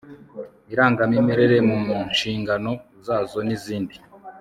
irangamimerere mu nshingano zazo n izindi